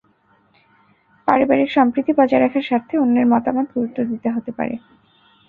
পারিবারিক সম্প্রীতি বজায় রাখার স্বার্থে অন্যের মতামত গুরুত্ব দিতে হতে পারে।